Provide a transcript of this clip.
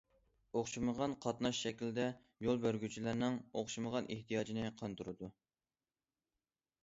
ئوخشىمىغان قاتناش شەكلىدە يول يۈرگۈچىلەرنىڭ ئوخشىمىغان ئېھتىياجىنى قاندۇرىدۇ.